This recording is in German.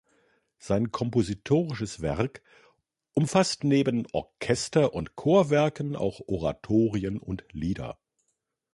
Sein kompositorisches Werk umfasst neben Orchester- und Chorwerken auch Oratorien und Lieder.